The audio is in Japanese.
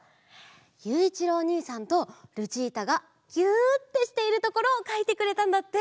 ゆういちろうおにいさんとルチータがぎゅーってしているところをかいてくれたんだって！